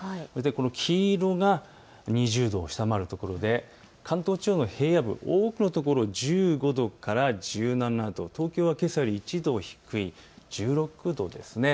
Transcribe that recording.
黄色が２０度を下回るところ、関東地方の平野部、多くのところで１５度から１７度、東京はけさより１度低い１６度です。